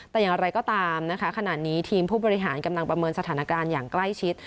แต่อย่างไรก็ตามนะคะขณะนี้ทีมผู้บริหารกำลังประเมินสถานการณ์อย่างใกล้ชิด